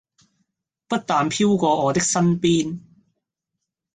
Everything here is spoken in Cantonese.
不但飄過我的身邊